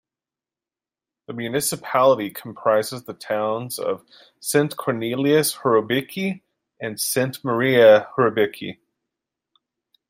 The municipality comprises the towns of Sint-Kornelis-Horebeke and Sint-Maria-Horebeke.